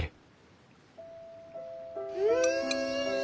うん！